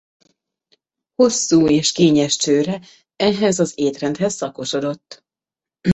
Hosszú és kényes csőre ehhez az étrendhez szakosodott.